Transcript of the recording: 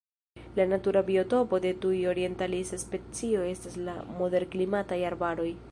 La natura biotopo de tiu orientalisa specio estas la moderklimataj arbaroj.